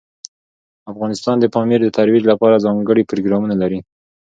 افغانستان د پامیر د ترویج لپاره ځانګړي پروګرامونه لري.